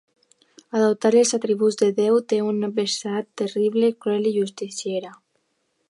Adoptar els atributs de Déu té una vessant terrible, cruel i justiciera.